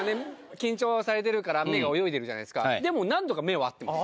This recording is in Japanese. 緊張はされてるから目が泳いでるじゃないですかでも何度か目は合ってます